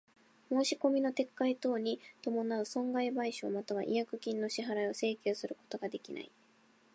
申込みの撤回等に伴う損害賠償又は違約金の支払を請求することができない。